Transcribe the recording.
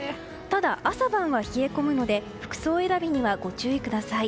ただ、朝晩は冷え込むので服装選びにはご注意ください。